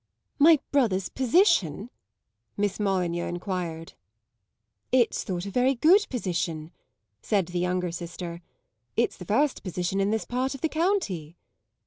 "My brother's position?" Miss Molyneux enquired. "It's thought a very good position," said the younger sister. "It's the first position in this part of the county."